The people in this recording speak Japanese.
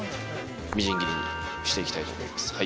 みじん切りにしていきたいと思います